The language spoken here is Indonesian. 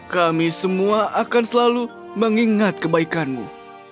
kami semua akan selalu mengingat kebaikanmu